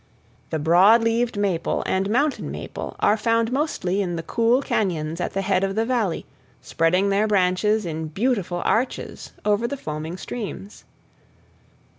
The broad leaved maple and mountain maple are found mostly in the cool cañons at the head of the Valley, spreading their branches in beautiful arches over the foaming streams.